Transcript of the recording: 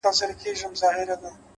پوه انسان د پوښتنې له ارزښته خبر وي.!